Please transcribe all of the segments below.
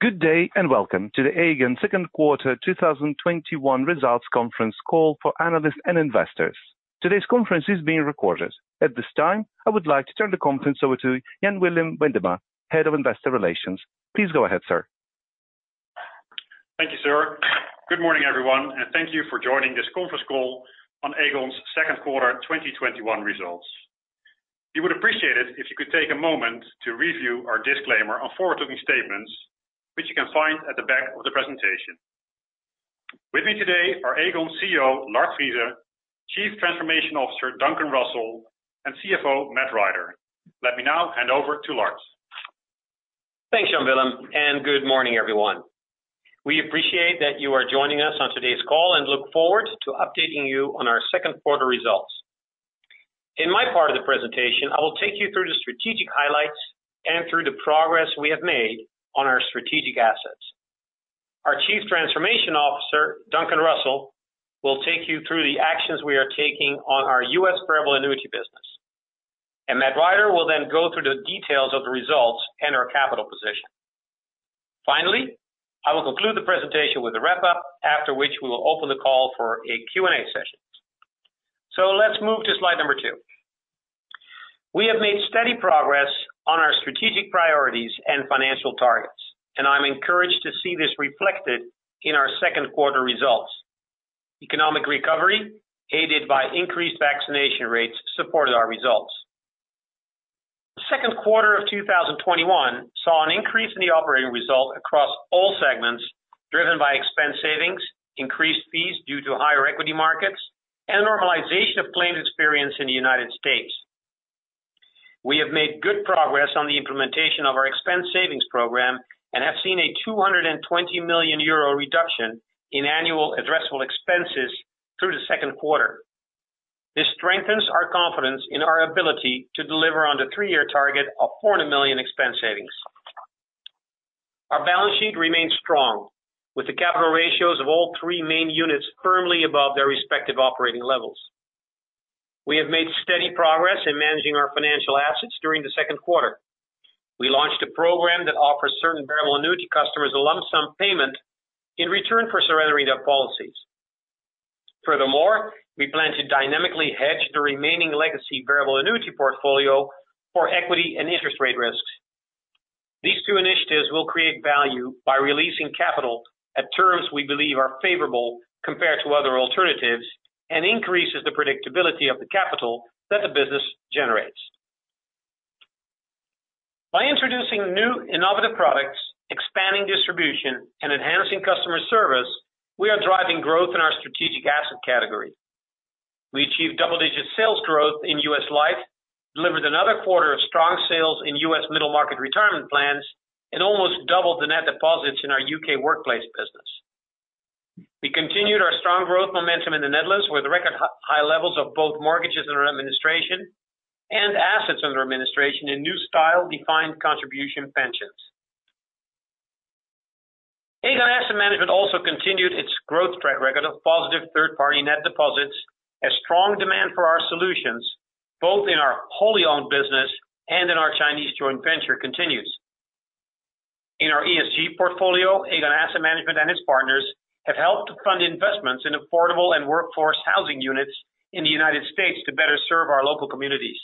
Good day, and welcome to the Aegon second quarter 2021 results conference call for analysts and investors. Today's conference is being recorded. At this time, I would like to turn the conference over to Jan Willem Weidema, Head of Investor Relations. Please go ahead, sir. Thank you, sir. Good morning, everyone, and thank you for joining this conference call on Aegon's second quarter 2021 results. We would appreciate it if you could take a moment to review our disclaimer on forward-looking statements, which you can find at the back of the presentation. With me today are Aegon CEO, Lard Friese, Chief Transformation Officer, Duncan Russell, and CFO, Matt Rider. Let me now hand over to Lard. Thanks, Jan Willem, and good morning, everyone. We appreciate that you are joining us on today's call and look forward to updating you on our second quarter results. In my part of the presentation, I will take you through the strategic highlights and through the progress we have made on our strategic assets. Our Chief Transformation Officer, Duncan Russell, will take you through the actions we are taking on our US variable annuity business. Matt Rider will then go through the details of the results and our capital position. Finally, I will conclude the presentation with a wrap-up, after which we will open the call for a Q&A session. Let's move to slide number two. We have made steady progress on our strategic priorities and financial targets, and I'm encouraged to see this reflected in our second quarter results. Economic recovery, aided by increased vaccination rates, supported our results. The second quarter of 2021 saw an increase in the operating result across all segments, driven by expense savings, increased fees due to higher equity markets, and normalization of claims experience in the United States. We have made good progress on the implementation of our expense savings program and have seen a 220 million euro reduction in annual addressable expenses through the second quarter. This strengthens our confidence in our ability to deliver on the three-year target of 400 million expense savings. Our balance sheet remains strong, with the capital ratios of all three main units firmly above their respective operating levels. We have made steady progress in managing our Financial Assets during the second quarter. We launched a program that offers certain variable annuity customers a lump sum payment in return for surrendering their policies. We plan to dynamically hedge the remaining legacy variable annuity portfolio for equity and interest rate risks. These two initiatives will create value by releasing capital at terms we believe are favorable compared to other alternatives and increases the predictability of the capital that the business generates. By introducing new innovative products, expanding distribution, and enhancing customer service, we are driving growth in our strategic asset category. We achieved double-digit sales growth in US Life, delivered another quarter of strong sales in US middle market retirement plans, and almost doubled the net deposits in our UK workplace business. We continued our strong growth momentum in the Netherlands, where the record high levels of both mortgages under administration and assets under administration in new style defined contribution pensions. Aegon Asset Management also continued its growth track record of positive third-party net deposits as strong demand for our solutions, both in our wholly owned business and in our Chinese joint venture, continues. In our ESG portfolio, Aegon Asset Management and its partners have helped to fund investments in affordable and workforce housing units in the United States to better serve our local communities.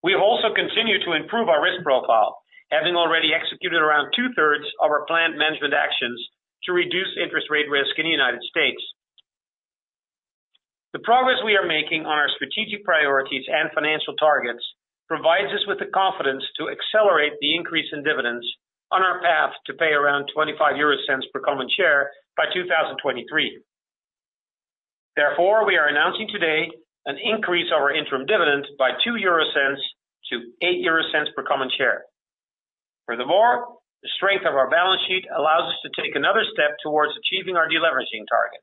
We have also continued to improve our risk profile, having already executed around two-thirds of our planned management actions to reduce interest rate risk in the United States. The progress we are making on our strategic priorities and financial targets provides us with the confidence to accelerate the increase in dividends on our path to pay around 0.25 per common share by 2023. We are announcing today an increase of our interim dividend by 0.02 to 0.08 per common share. The strength of our balance sheet allows us to take another step towards achieving our deleveraging target.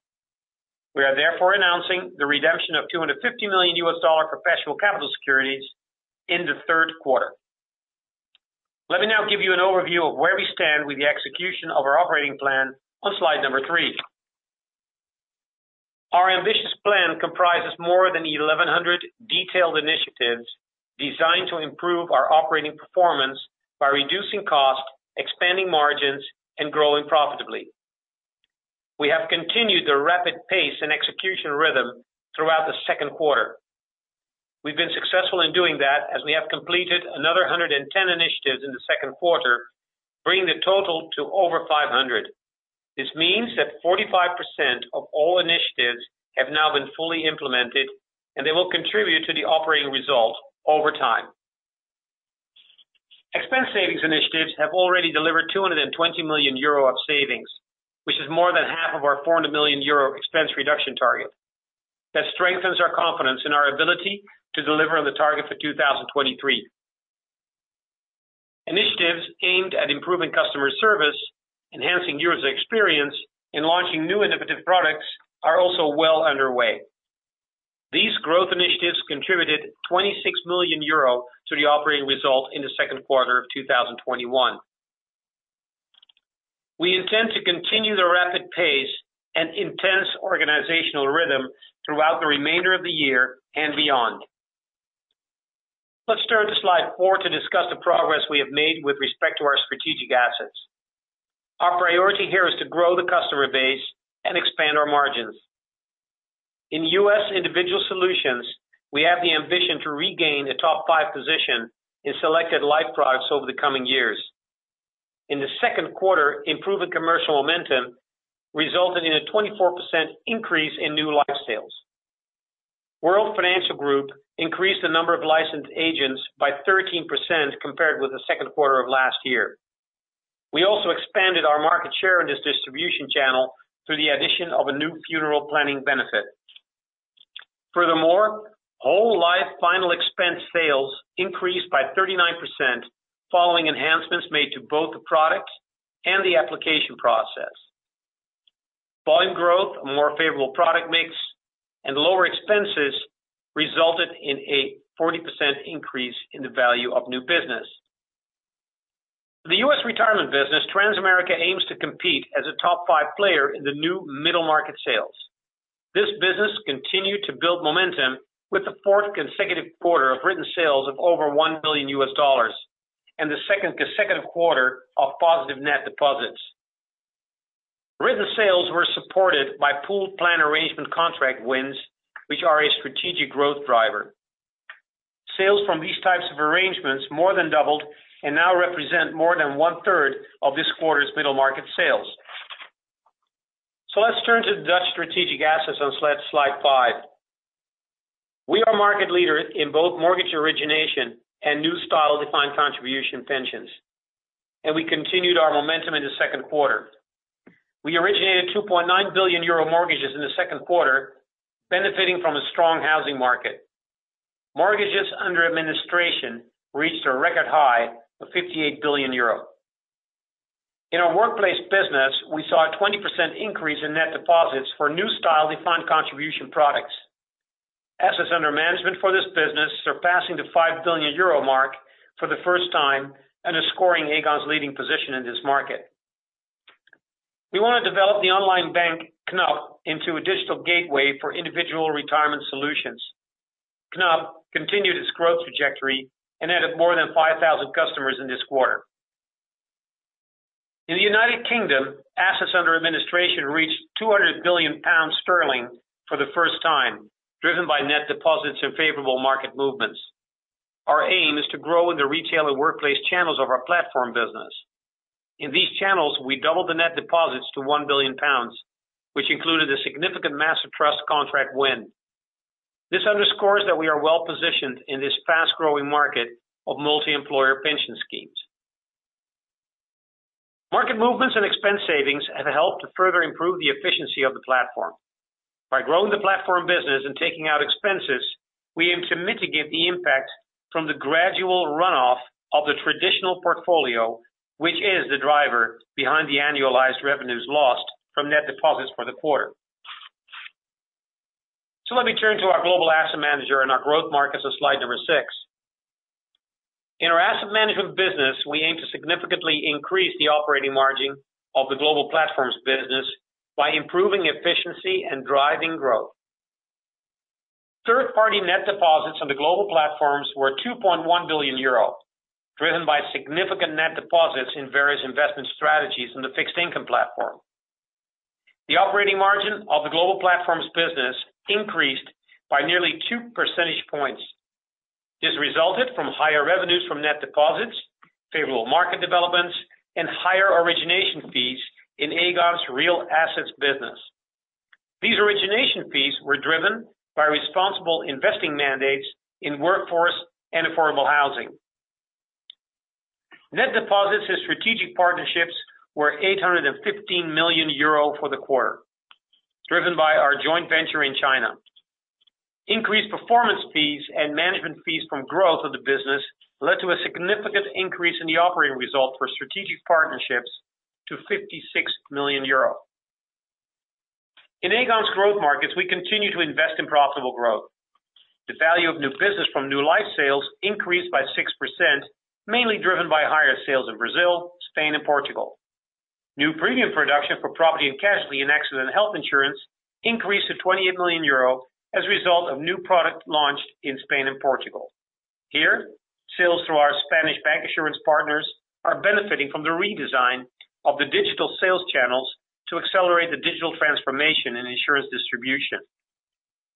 We are therefore announcing the redemption of $250 million perpetual capital securities in the third quarter. Let me now give you an overview of where we stand with the execution of our operating plan on slide number three. Our ambitious plan comprises more than 1,100 detailed initiatives designed to improve our operating performance by reducing cost, expanding margins, and growing profitably. We have continued the rapid pace and execution rhythm throughout the second quarter. We've been successful in doing that as we have completed another 110 initiatives in the second quarter, bringing the total to over 500. This means that 45% of all initiatives have now been fully implemented, and they will contribute to the operating result over time. Expense savings initiatives have already delivered 220 million euro of savings, which is more than half of our 400 million euro expense reduction target. That strengthens our confidence in our ability to deliver on the target for 2023. Initiatives aimed at improving customer service, enhancing user experience, and launching new innovative products are also well underway. These growth initiatives contributed 26 million euro to the operating result in the second quarter of 2021. We intend to continue the rapid pace and intense organizational rhythm throughout the remainder of the year and beyond. Let's turn to slide four to discuss the progress we have made with respect to our strategic assets. Our priority here is to grow the customer base and expand our margins. In US Individual Solutions, we have the ambition to regain a top five position in selected life products over the coming years. In the second quarter, improving commercial momentum resulted in a 24% increase in new life sales. World Financial Group increased the number of licensed agents by 13% compared with the second quarter of last year. We also expanded our market share in this distribution channel through the addition of a new funeral planning benefit. Furthermore, whole life final expense sales increased by 39% following enhancements made to both the product and the application process. Volume growth, a more favorable product mix, and lower expenses resulted in a 40% increase in the value of new business. For the US retirement business, Transamerica aims to compete as a top five player in the new middle market sales. This business continued to build momentum with the fourth consecutive quarter of written sales of over $1 billion and the second consecutive quarter of positive net deposits. Written sales were supported by pooled plan arrangement contract wins, which are a strategic growth driver. Sales from these types of arrangements more than doubled and now represent more than one-third of this quarter's middle market sales. Let's turn to Dutch strategic assets on slide five. We are market leaders in both mortgage origination and new style defined contribution pensions, and we continued our momentum in the second quarter. We originated 2.9 billion euro mortgages in the second quarter, benefiting from a strong housing market. Mortgages under administration reached a record high of 58 billion euro. In our workplace business, we saw a 20% increase in net deposits for new style defined contribution products. Assets under management for this business surpassing the 5 billion euro mark for the first time and is scoring Aegon's leading position in this market. We want to develop the online bank, Knab, into a digital gateway for individual retirement solutions. Knab continued its growth trajectory and added more than 5,000 customers in this quarter. In the United Kingdom., assets under administration reached 200 billion pounds for the first time, driven by net deposits and favorable market movements. Our aim is to grow in the retail and workplace channels of our platform business. In these channels, we doubled the net deposits to 1 billion pounds, which included a significant master trust contract win. This underscores that we are well-positioned in this fast-growing market of multi-employer pension schemes. Market movements and expense savings have helped to further improve the efficiency of the platform. By growing the platform business and taking out expenses, we aim to mitigate the impact from the gradual runoff of the traditional portfolio, which is the driver behind the annualized revenues lost from net deposits for the quarter. Let me turn to our global Asset Management and our growth markets on slide number six. In our Asset Management business, we aim to significantly increase the operating margin of the global platforms business by improving efficiency and driving growth. Third-party net deposits on the global platforms were 2.1 billion euro, driven by significant net deposits in various investment strategies in the fixed income platform. The operating margin of the global platforms business increased by nearly two percentage points. This resulted from higher revenues from net deposits, favorable market developments, and higher origination fees in Aegon's real assets business. These origination fees were driven by responsible investing mandates in workforce and affordable housing. Net deposits to strategic partnerships were 815 million euro for the quarter, driven by our joint venture in China. Increased performance fees and management fees from growth of the business led to a significant increase in the operating result for strategic partnerships to 56 million euro. In Aegon's growth markets, we continue to invest in profitable growth. The value of new business from new life sales increased by 6%, mainly driven by higher sales in Brazil, Spain, and Portugal. New premium production for property and casualty and accident health insurance increased to 28 million euro as a result of new product launched in Spain and Portugal. Here, sales through our Spanish bancassurance partners are benefiting from the redesign of the digital sales channels to accelerate the digital transformation in insurance distribution.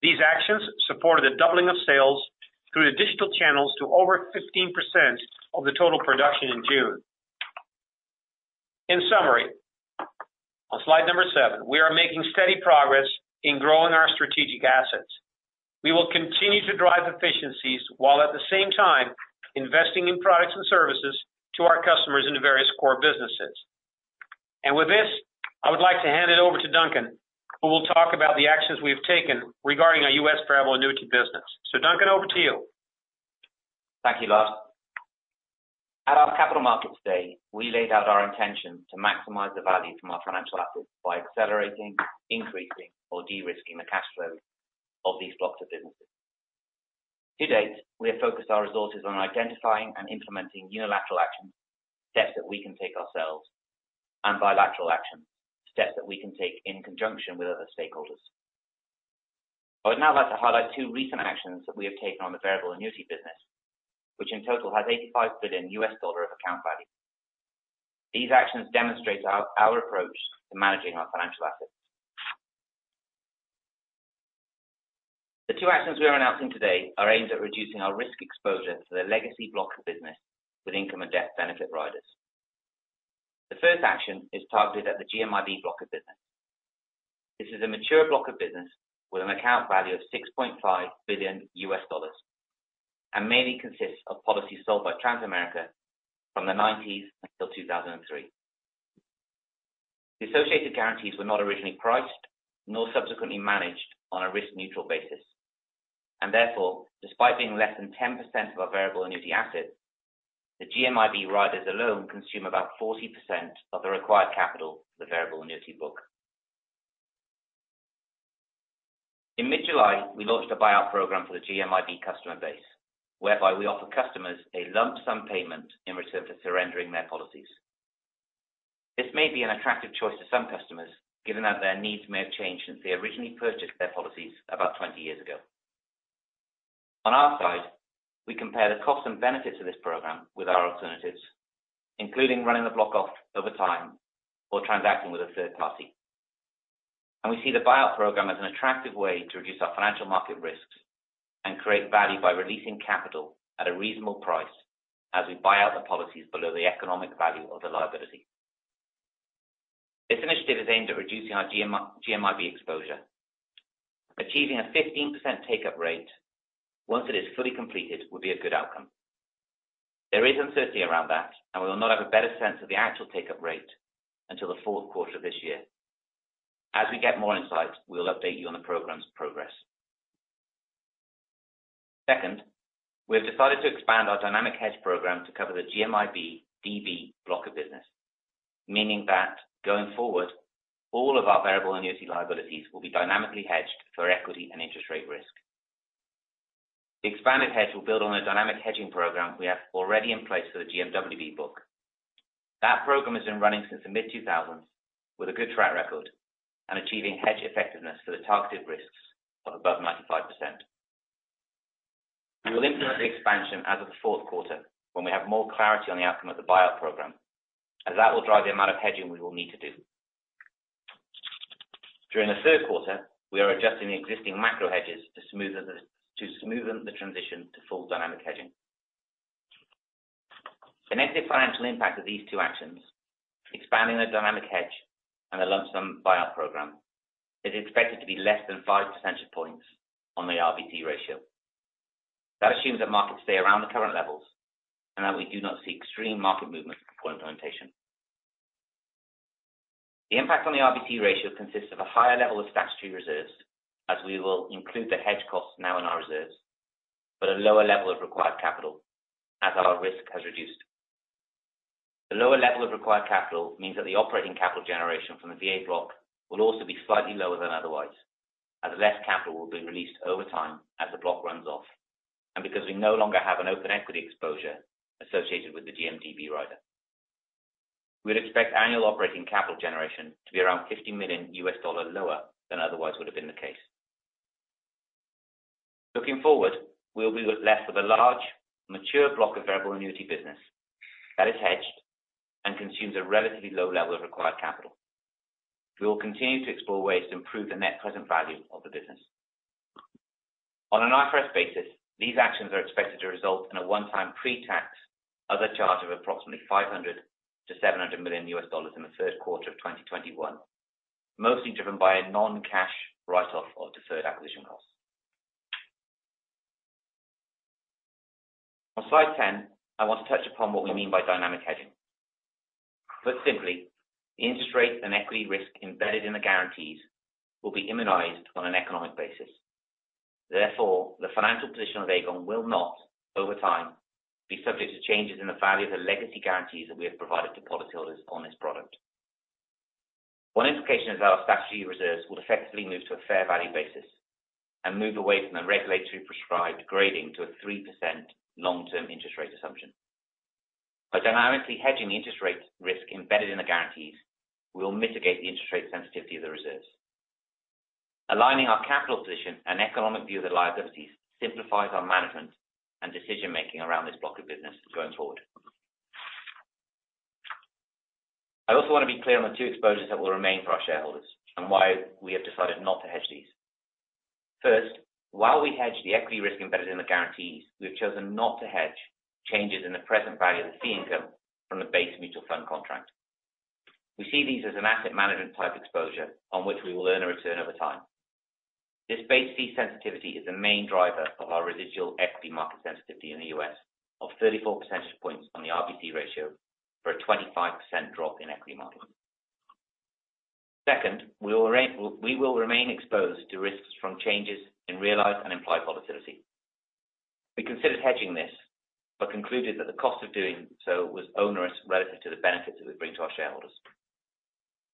These actions supported the doubling of sales through the digital channels to over 15% of the total production in June. In summary, on slide number seven, we are making steady progress in growing our strategic assets. We will continue to drive efficiencies while at the same time investing in products and services to our customers in the various core businesses. With this, I would like to hand it over to Duncan, who will talk about the actions we've taken regarding our US variable annuity business. Duncan, over to you. Thank you, Lard. At our Capital Markets Day, we laid out our intention to maximize the value from our Financial Assets by accelerating, increasing, or de-risking the cash flow of these blocks of businesses. To date, we have focused our resources on identifying and implementing unilateral actions, steps that we can take ourselves, and bilateral actions, steps that we can take in conjunction with other stakeholders. I would now like to highlight two recent actions that we have taken on the variable annuity business, which in total has $85 billion of account value. These actions demonstrate our approach to managing our Financial Assets. The two actions we are announcing today are aimed at reducing our risk exposure to the legacy block of business with income and death benefit riders. The first action is targeted at the GMIB block of business. This is a mature block of business with an account value of $6.5 billion, and mainly consists of policies sold by Transamerica from the '90s until 2003. The associated guarantees were not originally priced nor subsequently managed on a risk-neutral basis, and therefore, despite being less than 10% of our variable annuity assets, the GMIB riders alone consume about 40% of the required capital for the variable annuity book. In mid-July, we launched a buyout program for the GMIB customer base, whereby we offer customers a lump sum payment in return for surrendering their policies. This may be an attractive choice to some customers, given that their needs may have changed since they originally purchased their policies about 20 years ago. On our side, we compare the cost and benefit to this Buyout Program with our alternatives, including running the block off over time or transacting with a third party. We see the Buyout Program as an attractive way to reduce our financial market risks and create value by releasing capital at a reasonable price as we buy out the policies below the economic value of the liability. This initiative is aimed at reducing our GMIB exposure. Achieving a 15% take-up rate once it is fully completed would be a good outcome. There is uncertainty around that, and we will not have a better sense of the actual take-up rate until the fourth quarter of this year. As we get more insights, we will update you on the program's progress. We have decided to expand our dynamic hedge program to cover the GMIB/DB block of business, meaning that going forward, all of our variable annuity liabilities will be dynamically hedged for equity and interest rate risk. The expanded hedge will build on a dynamic hedging program we have already in place for the GMWB book. That program has been running since the mid-2000s with a good track record and achieving hedge effectiveness for the targeted risks of above 95%. We will implement the expansion as of the fourth quarter when we have more clarity on the outcome of the buyout program, as that will drive the amount of hedging we will need to do. During the third quarter, we are adjusting the existing macro hedges to smoothen the transition to full dynamic hedging. The net financial impact of these two actions, expanding the dynamic hedge and the lump-sum buyout program, is expected to be less than 5 percentage points on the RBC ratio. That assumes that markets stay around the current levels and that we do not see extreme market movements before implementation. The impact on the RBC ratio consists of a higher level of statutory reserves, as we will include the hedge costs now in our reserves, but a lower level of required capital, as our risk has reduced. The lower level of required capital means that the operating capital generation from the VA block will also be slightly lower than otherwise, as less capital will be released over time as the block runs off, and because we no longer have an open equity exposure associated with the GMDB rider. We'd expect annual operating capital generation to be around $50 million lower than otherwise would have been the case. Looking forward, we will be left with a large, mature block of variable annuity business that is hedged and consumes a relatively low level of required capital. We will continue to explore ways to improve the net present value of the business. On an IFRS basis, these actions are expected to result in a one-time pre-tax other charge of approximately $500 million-$700 million in the third quarter of 2021, mostly driven by a non-cash write-off of deferred acquisition costs. On slide 10, I want to touch upon what we mean by dynamic hedging. Put simply, the interest rate and equity risk embedded in the guarantees will be immunized on an economic basis. The financial position of Aegon will not, over time, be subject to changes in the value of the legacy guarantees that we have provided to policyholders on this product. One implication is our statutory reserves will effectively move to a fair value basis and move away from the regulatory prescribed grading to a 3% long-term interest rate assumption. By dynamically hedging the interest rate risk embedded in the guarantees, we will mitigate the interest rate sensitivity of the reserves. Aligning our capital position and economic view of the liabilities simplifies our management and decision making around this block of business going forward. I also want to be clear on the two exposures that will remain for our shareholders and why we have decided not to hedge these. First, while we hedge the equity risk embedded in the guarantees, we have chosen not to hedge changes in the present value of the fee income from the base mutual fund contract. We see these as an asset management type exposure on which we will earn a return over time. This base fee sensitivity is the main driver of our residual equity market sensitivity in the U.S. of 34 percentage points on the RBC ratio for a 25% drop in equity markets. Second, we will remain exposed to risks from changes in realized and implied volatility. We considered hedging this, but concluded that the cost of doing so was onerous relative to the benefits it would bring to our shareholders.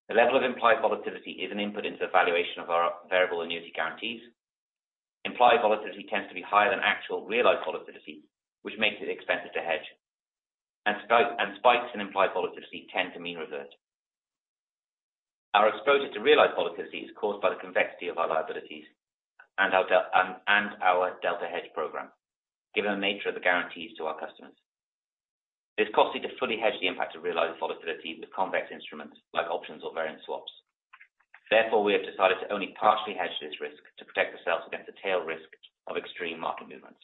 The level of implied volatility is an input into the valuation of our variable annuity guarantees. Implied volatility tends to be higher than actual realized volatility, which makes it expensive to hedge. Spikes in implied volatility tend to mean revert. Our exposure to realized volatility is caused by the convexity of our liabilities and our delta hedge program, given the nature of the guarantees to our customers. It is costly to fully hedge the impact of realized volatility with convex instruments like options or variance swaps. We have decided to only partially hedge this risk to protect ourselves against the tail risk of extreme market movements.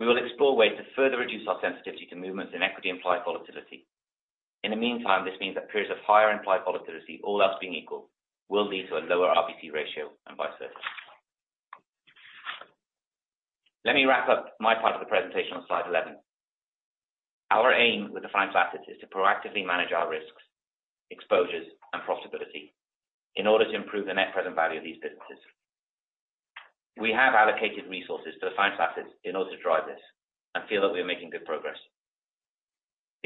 We will explore ways to further reduce our sensitivity to movements in equity implied volatility. This means that periods of higher implied volatility, all else being equal, will lead to a lower RBC ratio, and vice versa. Let me wrap up my part of the presentation on slide 11. Our aim with the Financial Assets is to proactively manage our risks, exposures, and profitability in order to improve the net present value of these businesses. We have allocated resources to the Financial Assets in order to drive this and feel that we are making good progress.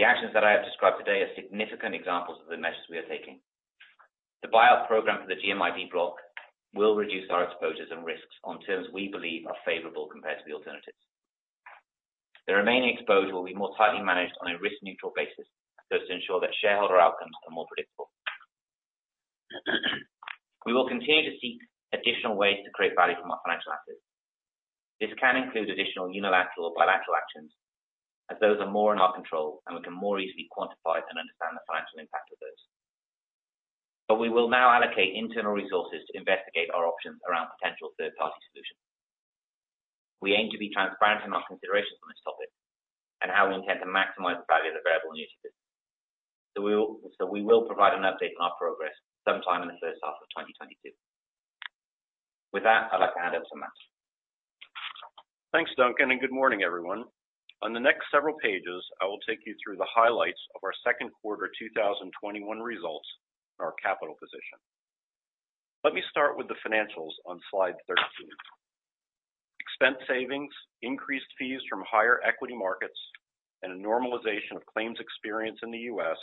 The actions that I have described today are significant examples of the measures we are taking. The buyout program for the GMIB block will reduce our exposures and risks on terms we believe are favorable compared to the alternatives. The remaining exposure will be more tightly managed on a risk-neutral basis so as to ensure that shareholder outcomes are more predictable. We will continue to seek additional ways to create value from our financial assets. This can include additional unilateral or bilateral actions as those are more in our control and we can more easily quantify and understand the financial impact of those. We will now allocate internal resources to investigate our options around potential third-party solutions. We aim to be transparent in our considerations on this topic and how we intend to maximize the value of the variable annuity business. We will provide an update on our progress sometime in the first half of 2022. With that, I'd like to hand over to Matt. Thanks, Duncan, and good morning, everyone. On the next several pages, I will take you through the highlights of our second quarter 2021 results and our capital position. Let me start with the financials on slide 13. Expense savings, increased fees from higher equity markets, and a normalization of claims experience in the U.S.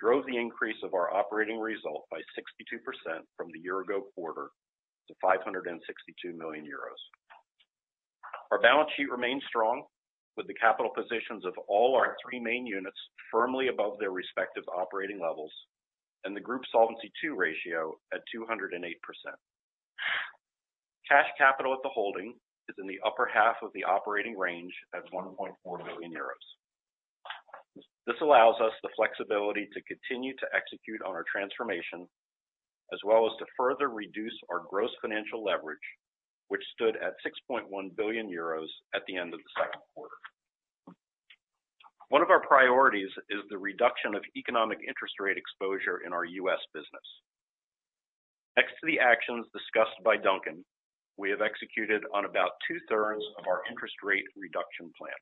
drove the increase of our operating result by 62% from the year ago quarter to 562 million euros. Our balance sheet remains strong, with the capital positions of all our three main units firmly above their respective operating levels and the group Solvency II ratio at 208%. Cash capital at the holding is in the upper half of the operating range at 1.4 billion euros. This allows us the flexibility to continue to execute on our transformation as well as to further reduce our gross financial leverage, which stood at 6.1 billion euros at the end of the second quarter. One of our priorities is the reduction of economic interest rate exposure in our U.S. business. Thanks to the actions discussed by Duncan, we have executed on about two-thirds of our interest rate reduction plan.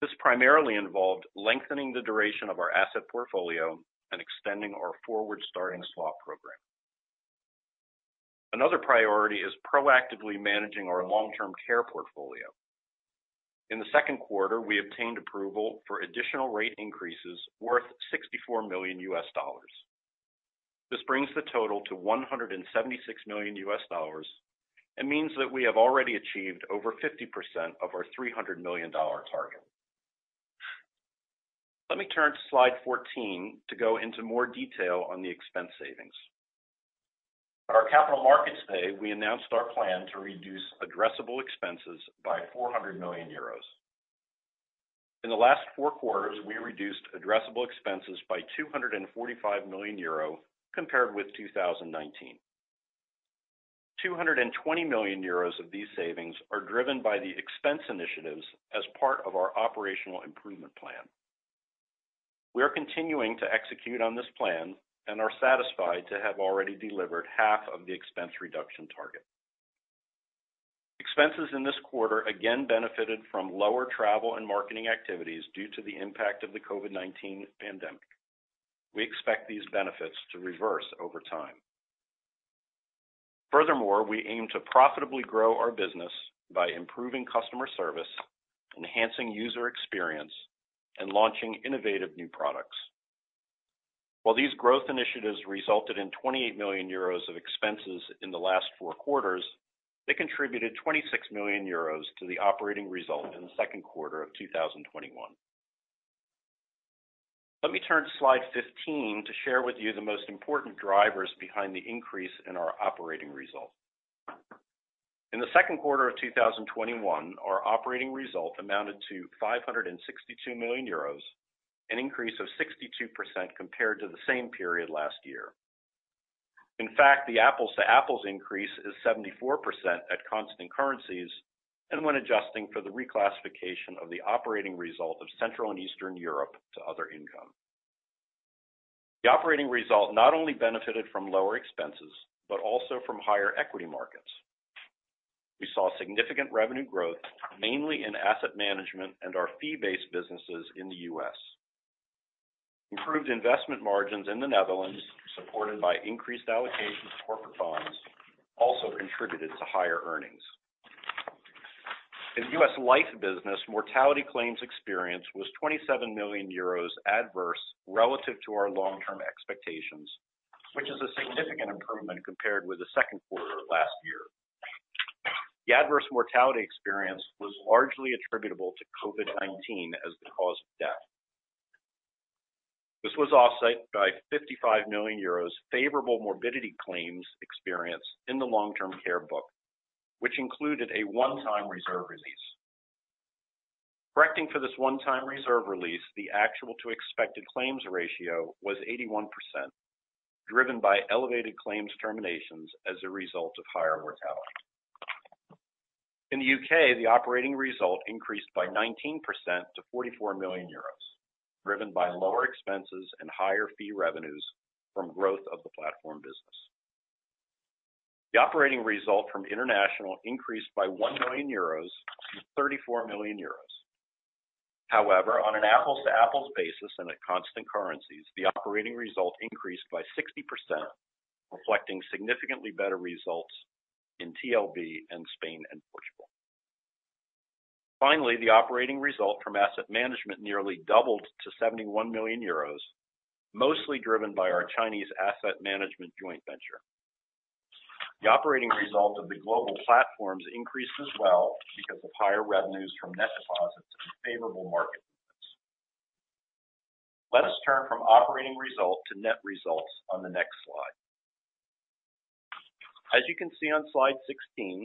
This primarily involved lengthening the duration of our asset portfolio and extending our forward starting swap program. Another priority is proactively managing our long-term care portfolio. In the second quarter, we obtained approval for additional rate increases worth $64 million. This brings the total to $176 million and means that we have already achieved over 50% of our $300 million target. Let me turn to slide 14 to go into more detail on the expense savings. At our Capital Markets Day, we announced our plan to reduce addressable expenses by 400 million euros. In the last four quarters, we reduced addressable expenses by 245 million euro compared with 2019. 220 million euros of these savings are driven by the expense initiatives as part of our operational improvement plan. We are continuing to execute on this plan and are satisfied to have already delivered half of the expense reduction target. Expenses in this quarter again benefited from lower travel and marketing activities due to the impact of the COVID-19 pandemic. We expect these benefits to reverse over time. Furthermore, we aim to profitably grow our business by improving customer service, enhancing user experience, and launching innovative new products. While these growth initiatives resulted in 28 million euros of expenses in the last four quarters, they contributed 26 million euros to the operating result in the second quarter of 2021. Let me turn to slide 15 to share with you the most important drivers behind the increase in our operating result. In the second quarter of 2021, our operating result amounted to 562 million euros, an increase of 62% compared to the same period last year. The apples-to-apples increase is 74% at constant currencies and when adjusting for the reclassification of the operating result of Central and Eastern Europe to other income. The operating result not only benefited from lower expenses, but also from higher equity markets. We saw significant revenue growth, mainly in Aegon Asset Management and our fee-based businesses in the US Improved investment margins in the Netherlands, supported by increased allocations to corporate bonds, also contributed to higher earnings. In US Life business, mortality claims experience was 27 million euros adverse relative to our long-term expectations, which is a significant improvement compared with the second quarter of last year. The adverse mortality experience was largely attributable to COVID-19 as the cause of death. This was offset by 55 million euros favorable morbidity claims experience in the long-term care book, which included a one-time reserve release. Correcting for this one-time reserve release, the actual to expected claims ratio was 81%, driven by elevated claims terminations as a result of higher mortality. In the U.K., the operating result increased by 19% to 44 million euros, driven by lower expenses and higher fee revenues from growth of the platform business. The operating result from International increased by 1 million euros to 34 million euros. However, on an apples-to-apples basis and at constant currencies, the operating result increased by 60%, reflecting significantly better results in TLB and Spain and Portugal. Finally, the operating result from asset management nearly doubled to 71 million euros, mostly driven by our Chinese asset management joint venture. The operating result of the global platforms increased as well because of higher revenues from net deposits and favorable market movements. Let us turn from operating results to net results on the next slide. As you can see on slide 16,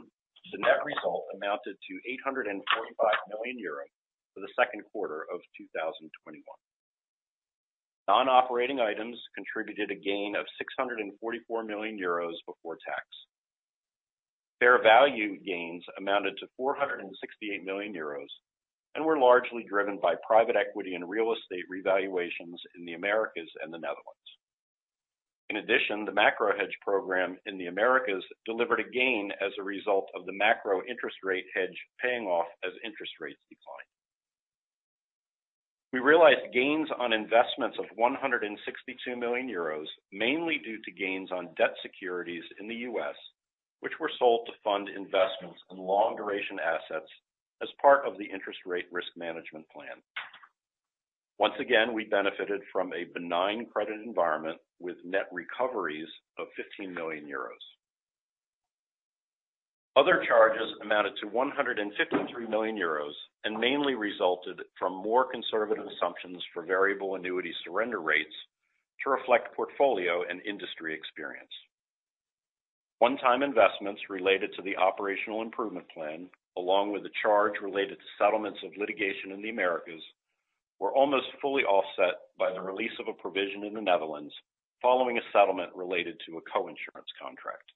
the net result amounted to 845 million euros for the second quarter of 2021. Non-operating items contributed a gain of 644 million euros before tax. Fair value gains amounted to 468 million euros and were largely driven by private equity and real estate revaluations in the Americas and the Netherlands. In addition, the macro hedge program in the Americas delivered a gain as a result of the macro interest rate hedge paying off as interest rates declined. We realized gains on investments of 162 million euros, mainly due to gains on debt securities in the U.S., which were sold to fund investments in long-duration assets as part of the interest rate risk management plan. Once again, we benefited from a benign credit environment with net recoveries of 15 million euros. Other charges amounted to 153 million euros and mainly resulted from more conservative assumptions for variable annuity surrender rates to reflect portfolio and industry experience. One-time investments related to the operational improvement plan, along with a charge related to settlements of litigation in the Americas, were almost fully offset by the release of a provision in the Netherlands following a settlement related to a co-insurance contract.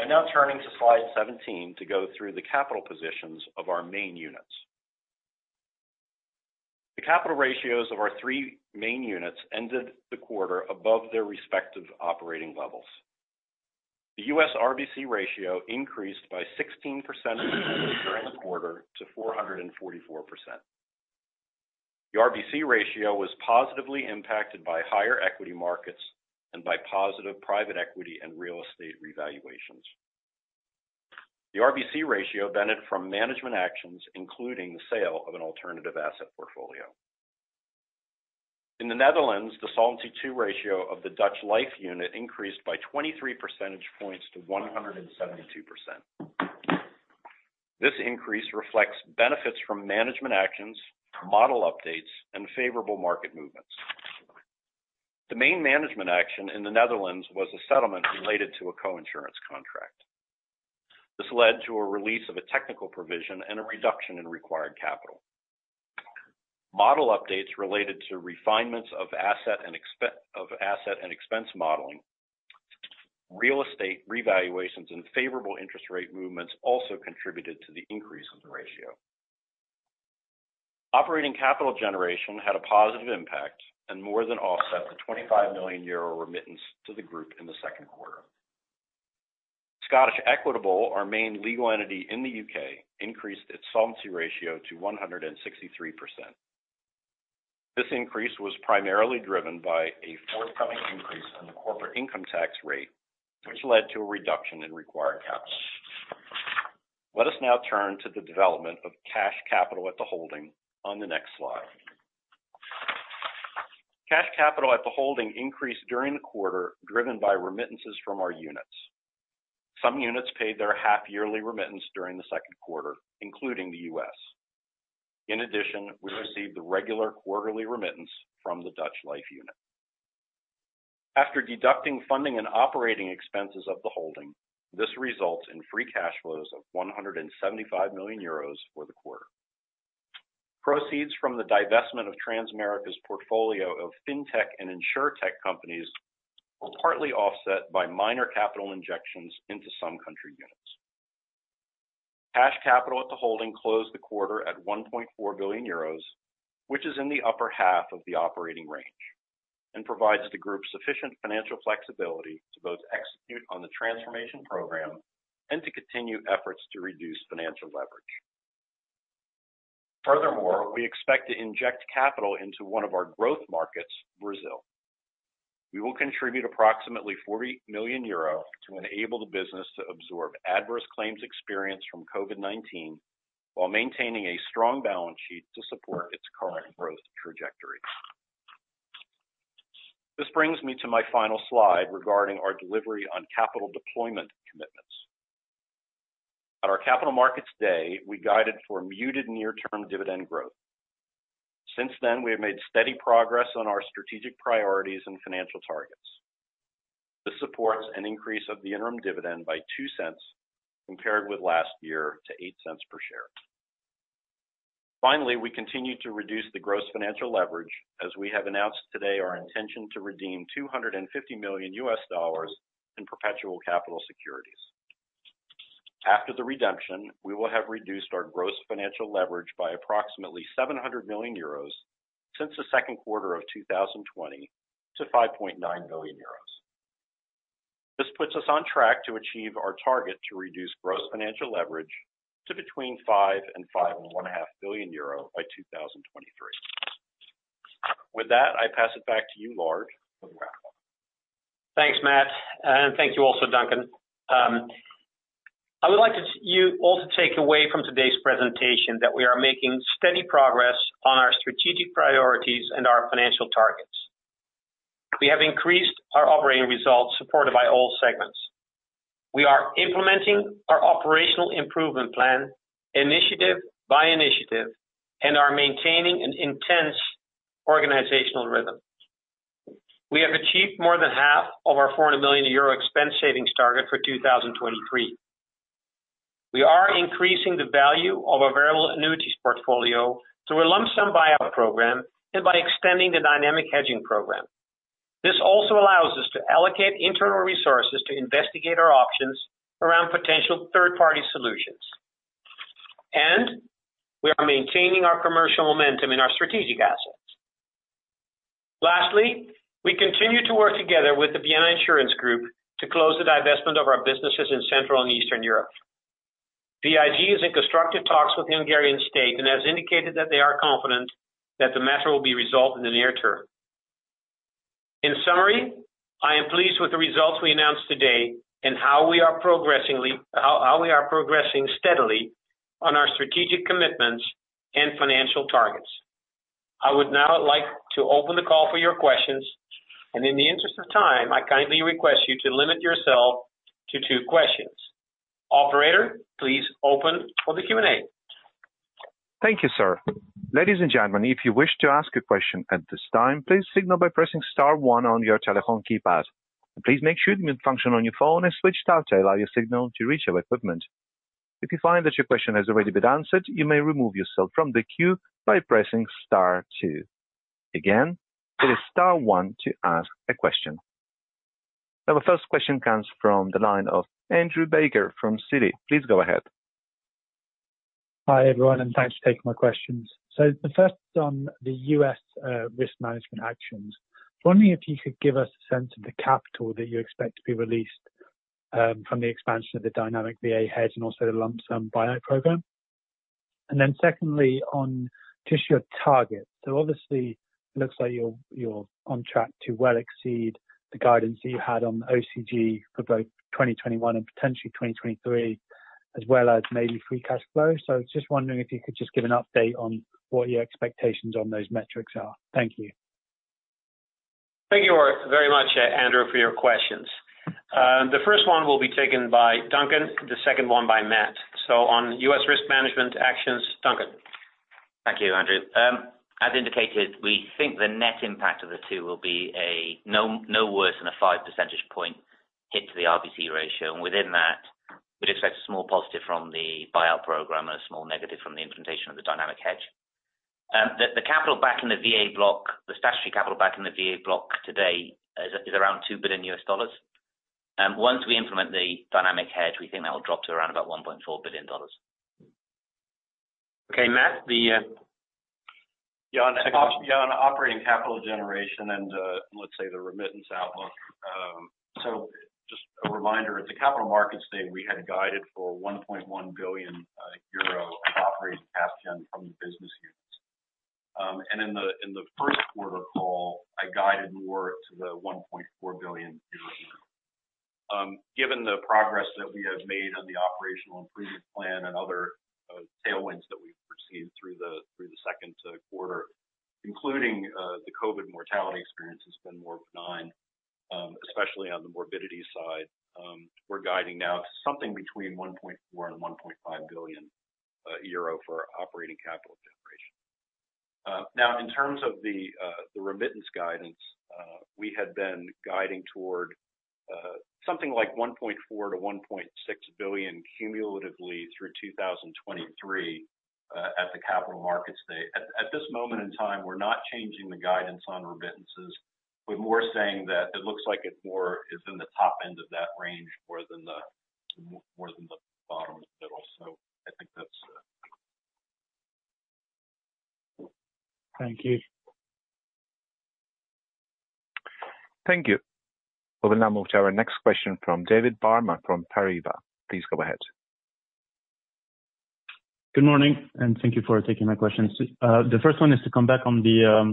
I'm now turning to slide 17 to go through the capital positions of our main units. The capital ratios of our three main units ended the quarter above their respective operating levels. The U.S. RBC ratio increased by 16% during the quarter to 444%. The RBC ratio was positively impacted by higher equity markets and by positive private equity and real estate revaluations. The RBC ratio benefited from management actions, including the sale of an alternative asset portfolio. In the Netherlands, the Solvency II ratio of the Dutch Life unit increased by 23 percentage points to 172%. This increase reflects benefits from management actions, model updates, and favorable market movements. The main management action in the Netherlands was a settlement related to a co-insurance contract. This led to a release of a technical provision and a reduction in required capital. Model updates related to refinements of asset and expense modeling, real estate revaluations, and favorable interest rate movements also contributed to the increase of the ratio. Operating capital generation had a positive impact and more than offset the 25 million euro remittance to the group in the second quarter. Scottish Equitable, our main legal entity in the U.K., increased its solvency ratio to 163%. This increase was primarily driven by a forthcoming increase in the corporate income tax rate, which led to a reduction in required capital. Let us now turn to the development of cash capital at the holding on the next slide. Cash capital at the holding increased during the quarter, driven by remittances from our units. Some units paid their half-yearly remittance during the second quarter, including the U.S. In addition, we received the regular quarterly remittance from the Dutch Life unit. After deducting funding and operating expenses of the holding, this results in free cash flows of 175 million euros for the quarter. Proceeds from the divestment of Transamerica's portfolio of fintech and insurtech companies were partly offset by minor capital injections into some country units. Cash capital at the holding closed the quarter at 1.4 billion euros, which is in the upper half of the operating range, and provides the group sufficient financial flexibility to both execute on the transformation program and to continue efforts to reduce financial leverage. Furthermore, we expect to inject capital into one of our growth markets, Brazil. We will contribute approximately 40 million euro to enable the business to absorb adverse claims experience from COVID-19 while maintaining a strong balance sheet to support its current growth trajectory. This brings me to my final slide regarding our delivery on capital deployment commitments. At our Capital Markets Day, we guided for muted near-term dividend growth. Since then, we have made steady progress on our strategic priorities and financial targets. This supports an increase of the interim dividend by 0.02 compared with last year to 0.08 per share. We continue to reduce the gross financial leverage as we have announced today our intention to redeem 250 million US dollars in perpetual capital securities. After the redemption, we will have reduced our gross financial leverage by approximately 700 million euros since the second quarter of 2020 to 5.9 billion euros. This puts us on track to achieve our target to reduce gross financial leverage to between 5 billion euro and EUR 5.5 billion by 2023. With that, I pass it back to you, Lard, for wrap up. Thanks, Matt, and thank you also, Duncan. I would like you all to take away from today's presentation that we are making steady progress on our strategic priorities and our financial targets. We have increased our operating results supported by all segments. We are implementing our operational improvement plan initiative by initiative and are maintaining an intense organizational rhythm. We have achieved more than half of our 400 million euro expense savings target for 2023. We are increasing the value of our variable annuities portfolio through a Lump Sum Buyout Program and by extending the dynamic hedging program. This also allows us to allocate internal resources to investigate our options around potential third-party solutions. We are maintaining our commercial momentum in our strategic assets. Lastly, we continue to work together with the Vienna Insurance Group to close the divestment of our businesses in Central and Eastern Europe. VIG is in constructive talks with the Hungarian state and has indicated that they are confident that the matter will be resolved in the near term. In summary, I am pleased with the results we announced today and how we are progressing steadily on our strategic commitments and financial targets. I would now like to open the call for your questions, and in the interest of time, I kindly request you to limit yourself to two questions. Operator, please open for the Q&A. Thank you, sir. Ladies and gentlemen, if you wish to ask a question at this time, please signal by pressing star one on your telephone keypad. Please make sure the mute function on your phone is switched off to allow your signal to reach our equipment. If you find that your question has already been answered, you may remove yourself from the queue by pressing star two. Again, it is star one to ask a question. The first question comes from the line of Andrew Baker from Citi. Please go ahead. Hi, everyone, and thanks for taking my questions. The first on the U.S. risk management actions. Wondering if you could give us a sense of the capital that you expect to be released from the expansion of the dynamic VA hedge and also the lump-sum buyout program. Secondly on just your target. Obviously looks like you're on track to well exceed the guidance that you had on the OCG for both 2021 and potentially 2023 as well as maybe free cash flow. Just wondering if you could just give an update on what your expectations on those metrics are. Thank you. Thank you very much, Andrew, for your questions. The first one will be taken by Duncan, the second one by Matt. On U.S. risk management actions, Duncan. Thank you, Andrew. As indicated, we think the net impact of the two will be no worse than a 5 percentage point hit to the RBC ratio, and within that, we'd expect a small positive from the buyout program and a small negative from the implementation of the dynamic hedge. The capital back in the VA block, the statutory capital back in the VA block today is around $2 billion. Once we implement the dynamic hedge, we think that will drop to around about $1.4 billion. Okay, Matt, the second one. On operating capital generation and let's say the remittance outlook. Just a reminder, at the Capital Markets Day, we had guided for 1.1 billion euro operating cash gen from the business units. In the first quarter call, I guided more to the 1.4 billion. Given the progress that we have made on the operational improvement plan and other tailwinds that we've received through the second quarter, including the COVID mortality experience has been more benign, especially on the morbidity side. We're guiding now to something between 1.4 billion and 1.5 billion euro for operating capital generation. In terms of the remittance guidance, we had been guiding toward something like 1.4 billion-1.6 billion cumulatively through 2023 at the Capital Markets Day. At this moment in time, we're not changing the guidance on remittances. We're more saying that it looks like it more is in the top end of that range more than the bottom or middle. I think that's. Thank you. Thank you. We'll now move to our next question from David Barma from Paribas. Please go ahead. Good morning, and thank you for taking my questions. The first one is to come back on the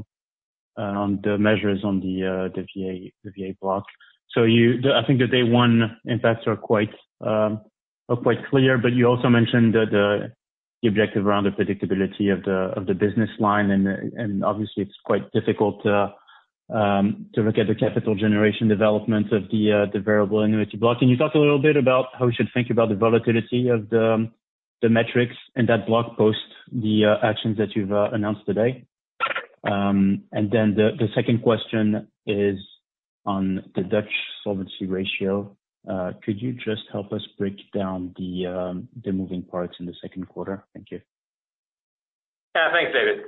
measures on the VA block. I think the day one impacts are quite clear. You also mentioned the objective around the predictability of the business line. Obviously, it's quite difficult to look at the capital generation development of the variable annuity block. Can you talk a little bit about how we should think about the volatility of the metrics in that block post the actions that you've announced today? The second question is on the Dutch solvency ratio. Could you just help us break down the moving parts in the second quarter? Thank you. Yeah. Thanks, David.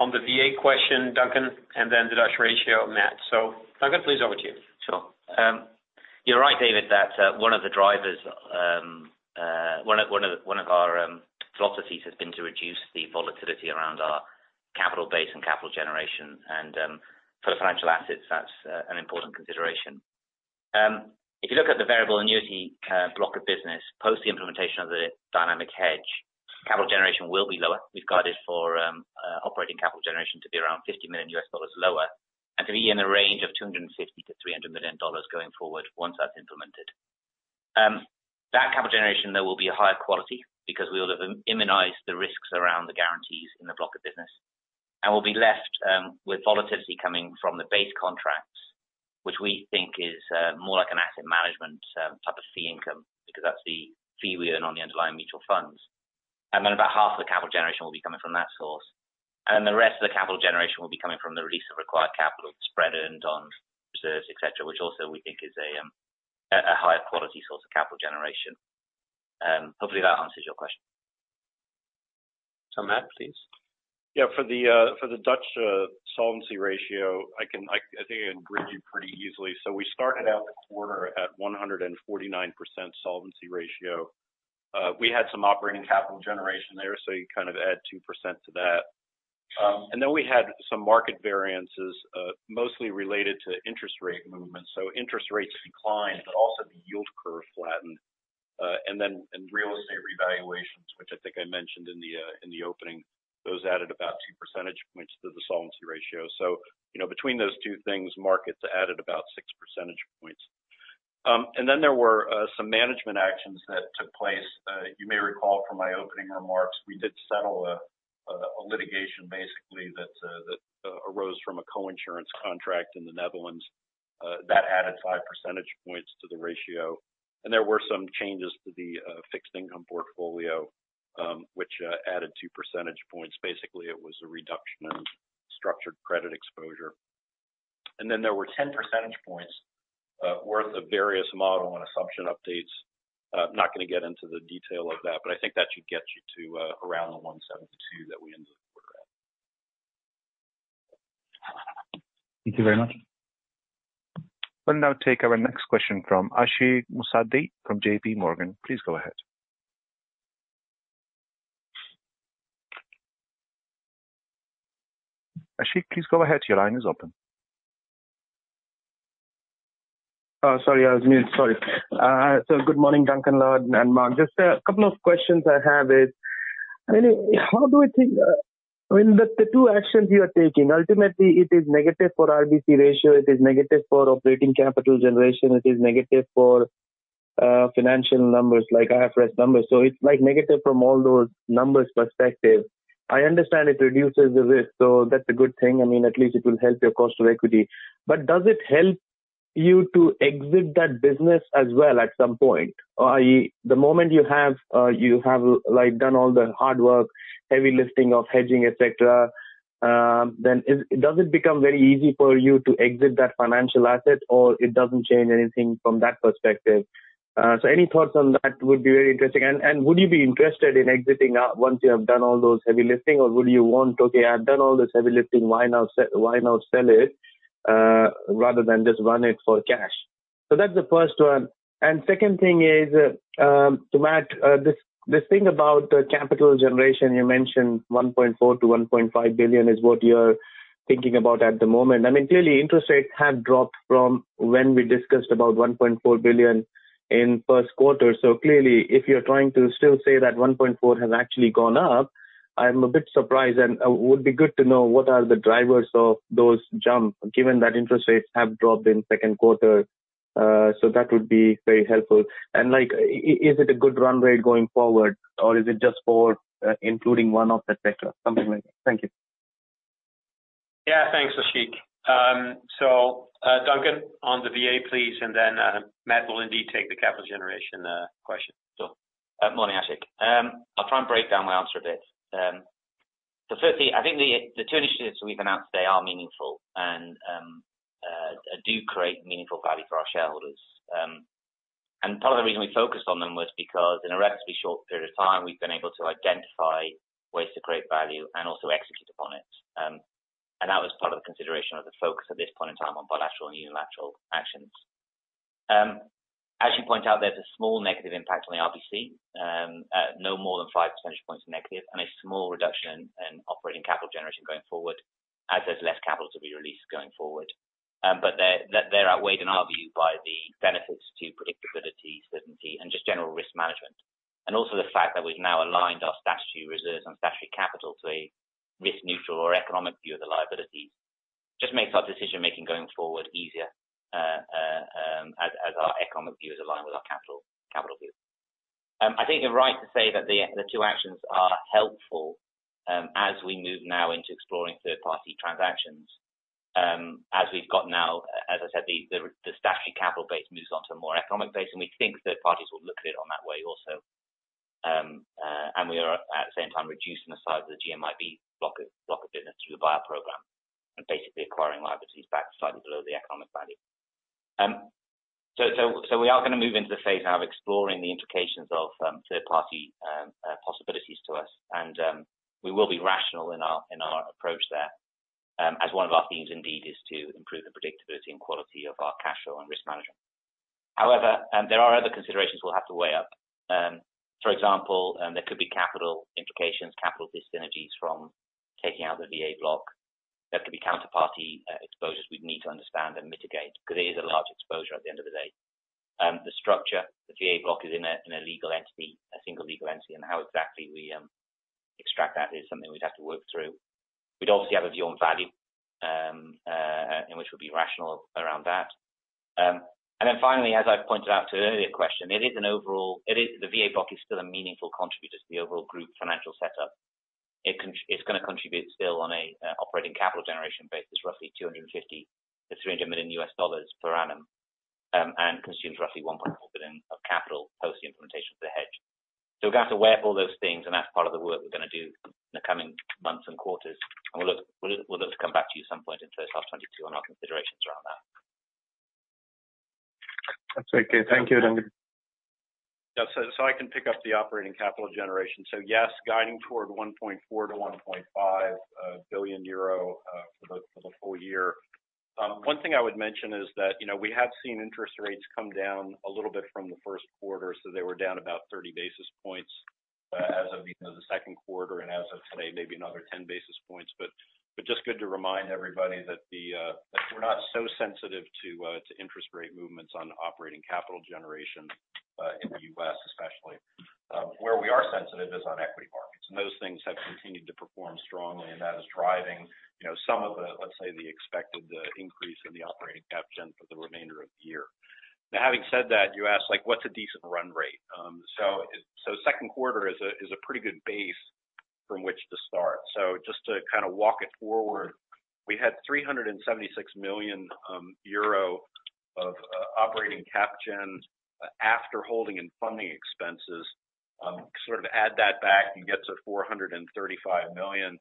On the VA question, Duncan, and then the Dutch ratio, Matt. Duncan, please, over to you. Sure. You're right, David, that one of our philosophies has been to reduce the volatility around our capital base and capital generation. For Financial Assets, that's an important consideration. If you look at the variable annuity block of business, post the implementation of the dynamic hedge, capital generation will be lower. We've guided for operating capital generation to be around $50 million lower and to be in the range of $250 million to $300 million going forward once that's implemented. That capital generation, though, will be a higher quality because we will have immunized the risks around the guarantees in the block of business. We'll be left with volatility coming from the base contracts, which we think is more like an asset management type of fee income because that's the fee we earn on the underlying mutual funds. About half of the capital generation will be coming from that source. The rest of the capital generation will be coming from the release of required capital spread earned on reserves, et cetera, which also we think is a higher quality source of capital generation. Hopefully, that answers your question. Matt, please. Yeah. For the Dutch solvency ratio, I think I can break it pretty easily. We started out the quarter at 149% solvency ratio. We had some operating capital generation there, you kind of add 2% to that. We had some market variances, mostly related to interest rate movements. Interest rates declined, also the yield curve flattened. In real estate revaluations, which I think I mentioned in the opening, those added about 2 percentage points to the solvency ratio. Between those two things, markets added about 6 percentage points. There were some management actions that took place. You may recall from my opening remarks, we did settle a litigation basically that arose from a co-insurance contract in the Netherlands. That added 5 percentage points to the ratio. There were some changes to the fixed income portfolio, which added 2 percentage points. Basically, it was a reduction in structured credit exposure. Then there were 10 percentage points worth of various model and assumption updates. Not going to get into the detail of that, but I think that should get you to around the 172 that we ended the quarter at. Thank you very much. We'll now take our next question from Ashik Musaddi from JPMorgan. Please go ahead. Ashik, please go ahead. Your line is open. I was muted. Sorry. Good morning, Duncan, Lard, and Matt. Just a couple of questions I have is, with the two actions you are taking, ultimately it is negative for RBC ratio, it is negative for operating capital generation, it is negative for financial numbers like IFRS numbers. It's negative from all those numbers perspective. I understand it reduces the risk, that's a good thing. I mean, at least it will help your cost of equity. Does it help you to exit that business as well at some point? The moment you have done all the hard work, heavy lifting of hedging, et cetera, does it become very easy for you to exit that Financial Asset, or it doesn't change anything from that perspective? Any thoughts on that would be very interesting. Would you be interested in exiting out once you have done all those heavy lifting? Would you want, "Okay, I've done all this heavy lifting, why not sell it rather than just run it for cash?" That's the first one. Second thing is, to Matt, this thing about the capital generation, you mentioned 1.4 billion-1.5 billion is what you're thinking about at the moment. Clearly, interest rates have dropped from when we discussed about 1.4 billion in first quarter. Clearly, if you're trying to still say that 1.4 billion has actually gone up, I'm a bit surprised, and would be good to know what are the drivers of those jump, given that interest rates have dropped in second quarter. That would be very helpful. Is it a good runway going forward, or is it just for including one-off, et cetera, something like that? Thank you. Yeah. Thanks, Ashik. Duncan, on the VA, please, and then Matt will indeed take the capital generation question. Sure. Morning, Ashik. I'll try and break down my answer a bit. I think the two initiatives we've announced today are meaningful and do create meaningful value for our shareholders. Part of the reason we focused on them was because in a relatively short period of time, we've been able to identify ways to create value and also execute upon it. That was part of the consideration of the focus at this point in time on bilateral and unilateral actions. As you point out, there's a small negative impact on the RBC, no more than 5 percentage points negative, and a small reduction in operating capital generation going forward as there's less capital to be released going forward. They're outweighed, in our view, by the benefits to predictability, certainty, and just general risk management. Also the fact that we've now aligned our statutory reserves and statutory capital to a risk-neutral or economic view of the liabilities just makes our decision-making going forward easier as our economic views align with our capital view. I think you're right to say that the two actions are helpful as we move now into exploring third-party transactions. As we've got now, as I said, the statutory capital base moves onto a more economic base, and we think third parties will look at it on that way also. We are, at the same time, reducing the size of the GMIB block of business through the buyout program and basically acquiring liabilities back slightly below the economic value. We are going to move into the phase now of exploring the implications of third-party possibilities to us. We will be rational in our approach there, as one of our themes indeed is to improve the predictability and quality of our cash flow and risk management. However, there are other considerations we'll have to weigh up. For example, there could be capital implications, capital dis-synergies from taking out the VA block. There could be counterparty exposures we'd need to understand and mitigate because it is a large exposure at the end of the day. The structure, the VA block is in a legal entity, a single legal entity, and how exactly we extract that is something we'd have to work through. We'd obviously have a view on value, in which we'd be rational around that. Finally, as I pointed out to an earlier question, the VA block is still a meaningful contributor to the overall group financial setup. It's going to contribute still on an operating capital generation basis roughly $250 million-$300 million per annum, and consumes roughly 1.4 billion of capital post the implementation of the hedge. We're going to have to weigh up all those things, and that's part of the work we're going to do in the coming months and quarters. We'll look to come back to you at some point in first half 2022 on our considerations around that. That's okay. Thank you. I can pick up the operating capital generation. Yes, guiding toward 1.4 billion-1.5 billion euro for the full year. One thing I would mention is that we have seen interest rates come down a little bit from the first quarter. They were down about 30 basis points as of the second quarter, and as of today, maybe another 10 basis points. Just good to remind everybody that we're not so sensitive to interest rate movements on operating capital generation, in the U.S. especially. Where we are sensitive is on equity markets, and those things have continued to perform strongly, and that is driving some of the, let's say, the expected increase in the operating cap gen for the remainder of the year. Having said that, you asked what's a decent run rate? Second quarter is a pretty good base from which to start. Just to kind of walk it forward, we had 376 million euro of operating cap gen after holding and funding expenses. Sort of add that back and get to 435 million.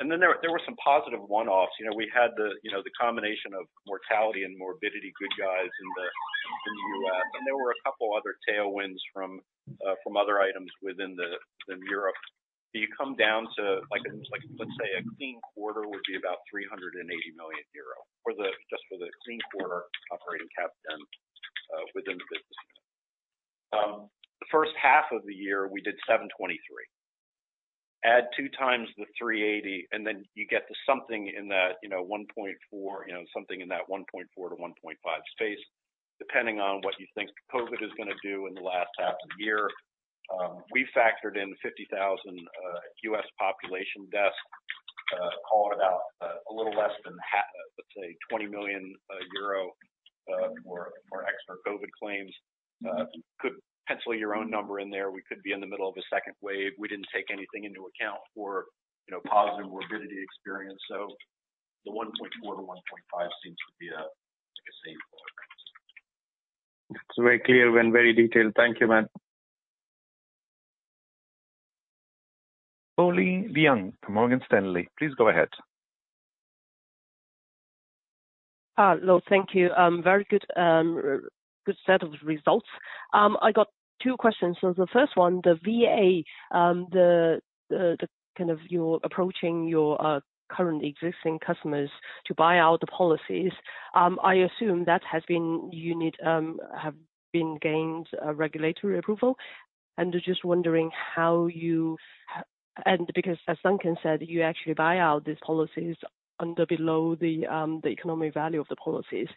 There were some positive one-offs. We had the combination of mortality and morbidity good guys in the U.S., and there were a couple other tailwinds from other items within Europe. You come down to, let's say a clean quarter would be about 380 million euro. Just for the clean quarter operating cap gen within the business unit. The first half of the year, we did 723 million. Add two times the 380 million, you get to something in that 1.4 billion-1.5 billion space, depending on what you think COVID-19 is going to do in the last half of the year. We've factored in 50,000 U.S. population deaths, call it a little less than, let's say, 20 million euro for extra COVID claims. Could pencil your own number in there. We could be in the middle of a second wave. We didn't take anything into account for positive morbidity experience. The 1.4 billion to 1.5 billion seems to be a safe. It's very clear and very detailed. Thank you, Matt. Fulin Liang from Morgan Stanley, please go ahead. Thank you. Very good set of results. I got two questions. The first one the VA, the kind you're approaching your current existing customers to buy out the policies. I assume that unit have gained regulatory approval. I'm just wondering how you would as Duncan said, you actually buy out these policies under below the economic value of the polices.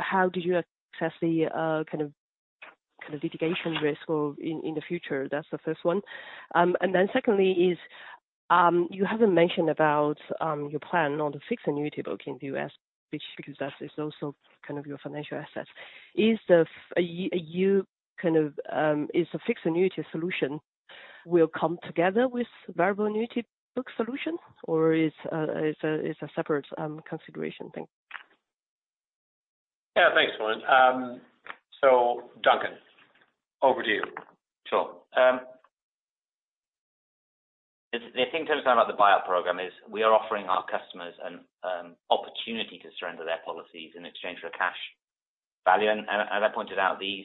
How do you assess that kind of litigation risk in the future? That's the first one. And secondly is you haven't mentioned about your plan on the fixed annuity book in the U.S. because that is also kind of your financial asset. Is a fixed annuity solution would come together with variable annuity solution? Or is it a separate consideration? Yes. Thanks Fulin. Duncan over to you Sure. The thing to understand about the buyout program is we are offering our customers an opportunity to surrender their policies in exchange for a cash value. As I pointed out, these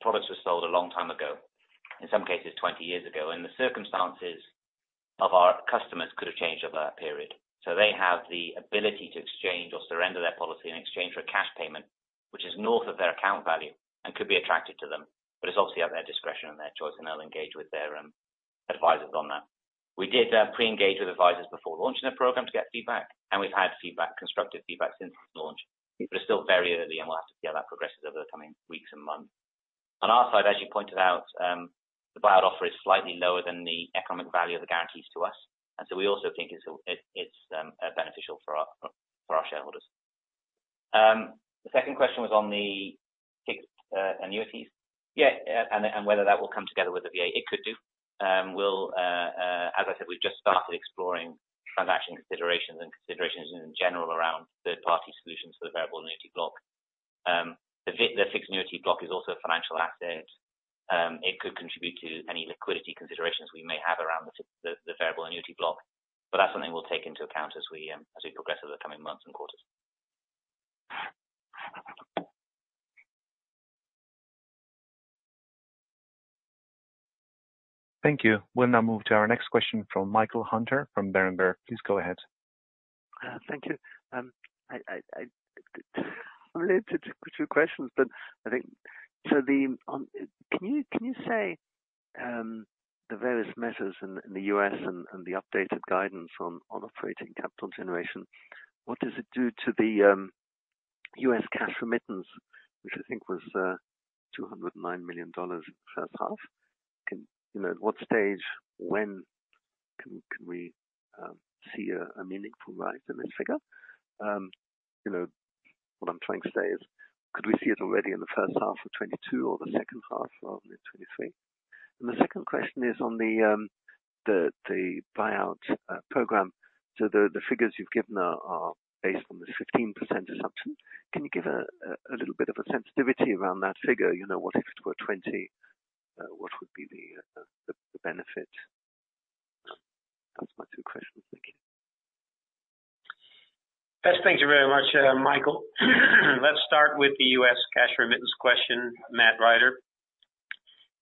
products were sold a long time ago, in some cases 20 years ago. The circumstances of our customers could have changed over that period. They have the ability to exchange or surrender their policy in exchange for a cash payment, which is north of their account value and could be attractive to them. It's obviously at their discretion and their choice, and they'll engage with their advisors on that. We did pre-engage with advisors before launching the program to get feedback, and we've had constructive feedback since launch. It's still very early, and we'll have to see how that progresses over the coming weeks and months. On our side, as you pointed out, the buyout offer is slightly lower than the economic value of the guarantees to us. We also think it's beneficial for our shareholders. The second question was on the fixed annuities. Yeah, whether that will come together with the VA. It could do. As I said, we've just started exploring transaction considerations and considerations in general around third-party solutions for the variable annuity block. The fixed annuity block is also a financial asset. It could contribute to any liquidity considerations we may have around the variable annuity block, but that's something we'll take into account as we progress over the coming months and quarters. Thank you. We will now move to our next question from Michael Huttner from Berenberg. Please go ahead. Thank you. I have two questions. Can you say the various measures in the U.S. and the updated guidance on operating capital generation, what does it do to the U.S. cash remittance, which I think was $209 million in the first half? At what stage, when can we see a meaningful rise in this figure? What I'm trying to say is could we see it already in the first half of 2022 or the second half of mid-2023? The 2nd question is on the buyout program. The figures you've given are based on the 15% assumption. Can you give a little bit of a sensitivity around that figure? What if it were 20%? What would be the benefit? That's my two questions. Thank you. Yes, thank you very much, Michael. Let's start with the U.S. cash remittance question, Matt Rider,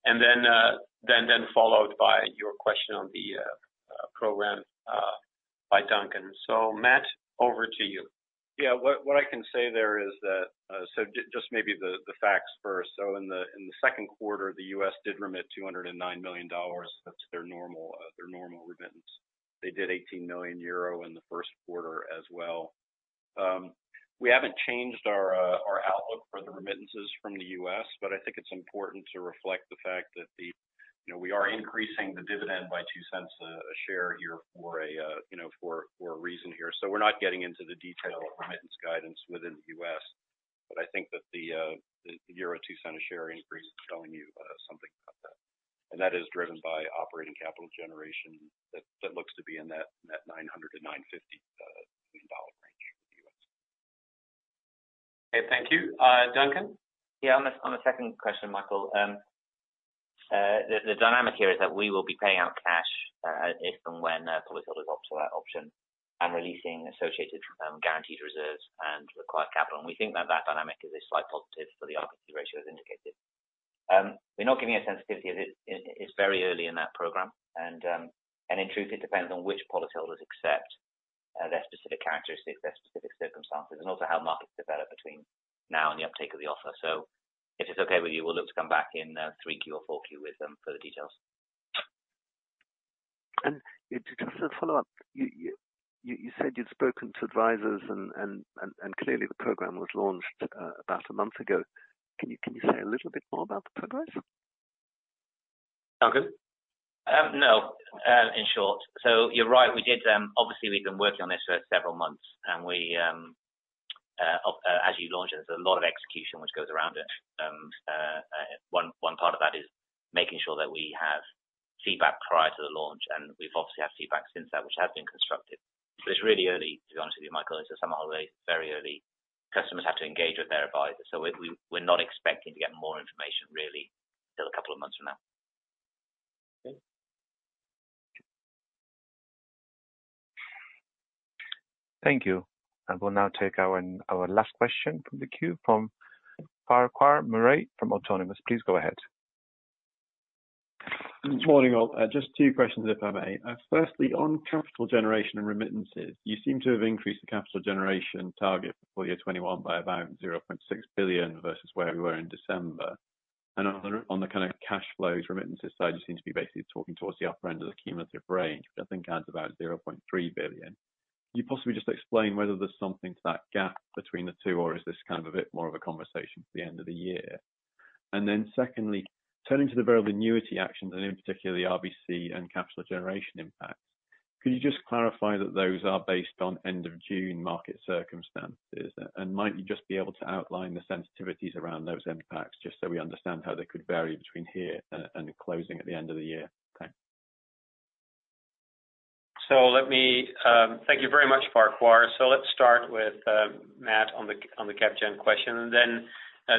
and then followed by your question on the program, by Duncan. Matt, over to you. What I can say there is that, just maybe the facts first. In the second quarter, the U.S. did remit $209 million. That's their normal remittance. They did 18 million euro in the first quarter as well. We haven't changed our outlook for the remittances from the U.S., I think it's important to reflect the fact that we are increasing the dividend by 0.02 a share here for a reason here. We're not getting into the detail of remittance guidance within the U.S., I think that the 0.02 a share increase is telling you something about that. That is driven by operating capital generation that looks to be in that $900 million-$950 million range with the U.S. Okay, thank you. Duncan? Yeah, on the second question, Michael, the dynamic here is that we will be paying out cash, if and when policyholders opt for that option, and releasing associated guaranteed reserves and required capital. We think that dynamic is a slight positive for the RBC ratio as indicated. We're not giving a sensitivity. It's very early in that program, and in truth, it depends on which policyholders accept their specific characteristics, their specific circumstances, and also how markets develop between now and the uptake of the offer. If it's okay with you, we'll look to come back in Q3 or Q4 with them for the details. Just as a follow-up, you said you'd spoken to advisors and clearly the program was launched about a month ago. Can you say a little bit more about the progress? Duncan? No, in short. You're right, obviously, we've been working on this for several months, and as you launch it, there's a lot of execution which goes around it. One part of that is making sure that we have feedback prior to the launch, and we've obviously had feedback since then, which has been constructive. It's really early, to be honest with you, Michael. As to some, very early. Customers have to engage with their advisors. We're not expecting to get more information really till a couple of months from now. Okay. Thank you. I will now take our last question from the queue from Farquhar Murray from Autonomous. Please go ahead. Morning all. Just two questions, if I may. On capital generation and remittances, you seem to have increased the capital generation target for year 2021 by about 0.6 billion versus where we were in December. On the kind of cash flows remittances side, you seem to be basically talking towards the upper end of the cumulative range, which I think adds about 0.3 billion. Could you possibly just explain whether there's something to that gap between the two, or is this kind of a bit more of a conversation for the end of the year? Turning to the variable annuity actions and in particular the RBC and capital generation impacts, could you just clarify that those are based on end of June market circumstances? Might you just be able to outline the sensitivities around those impacts, just so we understand how they could vary between here and closing at the end of the year? Thanks. Thank you very much, Farquhar. Let's start with Matt on the cap gen question, and then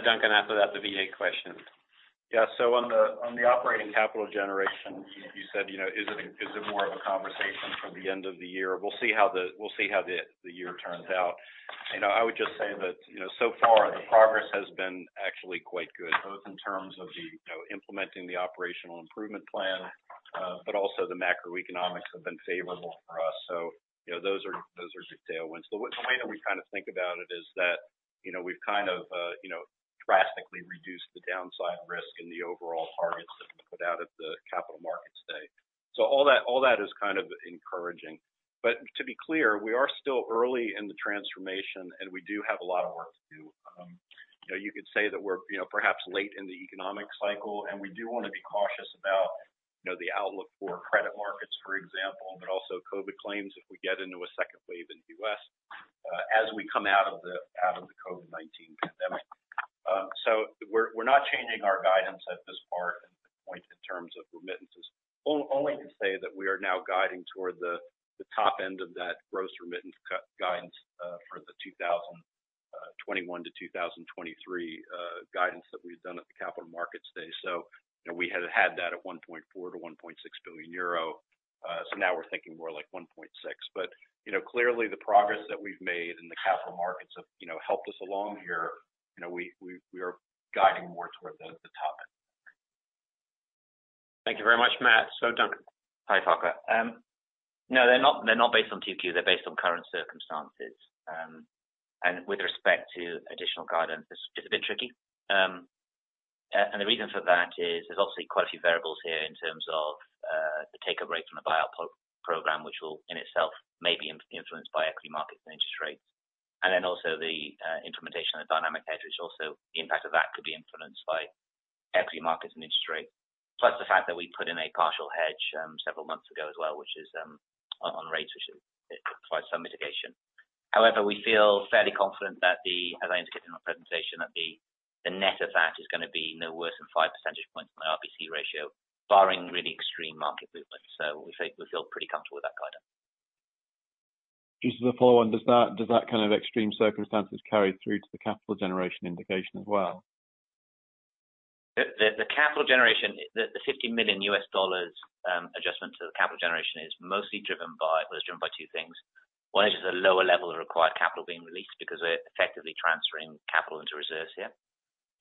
Duncan, after that, the VA question. Yeah. On the operating capital generation, you said, is it more of a conversation the end of the year. We'll see how the year turns out. I would just say that so far the progress has been actually quite good, both in terms of implementing the operational improvement plan, but also the macroeconomics have been favorable for us. Those are big tailwinds. The way that we think about it is that we've drastically reduced the downside risk in the overall targets that we put out at the Capital Markets Day. All that is encouraging. To be clear, we are still early in the transformation, and we do have a lot of work to do. You could say that we're perhaps late in the economic cycle, and we do want to be cautious about the outlook for credit markets, for example, but also COVID claims if we get into a second wave in the U.S. as we come out of the COVID-19 pandemic. We're not changing our guidance at this point in terms of remittances. Only to say that we are now guiding toward the top end of that gross remittance guidance for the 2021 to 2023 guidance that we'd done at the Capital Markets Day. We had had that at 1.4 billion-1.6 billion euro. Now we're thinking more like 1.6 billion. Clearly the progress that we've made in the capital markets have helped us along here. We are guiding more towards the top end. Thank you very much, Matt. Duncan. Hi, Farquhar. No, they're not based on 2Q, they're based on current circumstances. With respect to additional guidance, it's a bit tricky. The reason for that is there's obviously quite a few variables here in terms of the take-up rate from the buyout program, which will in itself may be influenced by equity markets and interest rates. Also the implementation of the dynamic hedge, which also the impact of that could be influenced by equity markets and interest rates. The fact that we put in a partial hedge several months ago as well, which is on rates, which provides some mitigation. However, we feel fairly confident that the, as I indicated in my presentation, that the net effect is going to be no worse than 5 percentage points on the RBC ratio, barring really extreme market movements. We feel pretty comfortable with that guidance. Just as a follow-on, does that kind of extreme circumstances carry through to the capital generation indication as well? The capital generation, the $50 million adjustment to the capital generation, it was driven by two things. One is just a lower level of required capital being released because we're effectively transferring capital into reserves here.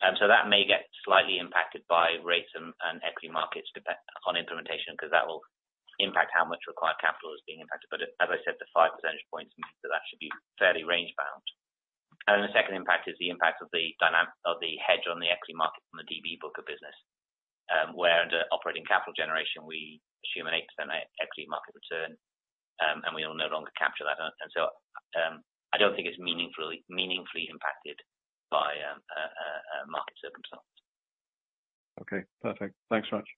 That may get slightly impacted by rates and equity markets on implementation, because that will impact how much required capital is being impacted. As I said, the five percentage points means that that should be fairly range-bound. The second impact is the impact of the hedge on the equity market from the DB book of business, where under operating capital generation, we assume an 8% equity market return, and we will no longer capture that. I don't think it's meaningfully impacted by market circumstance. Okay, perfect. Thanks much.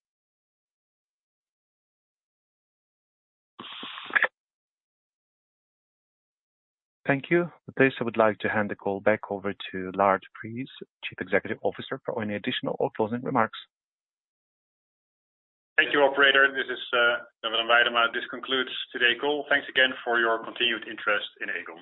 Thank you. At this, I would like to hand the call back over to Lard Friese, Chief Executive Officer, for any additional or closing remarks. Thank you, operator. This is Jan Willem This concludes today's call. Thanks again for your continued interest in Aegon.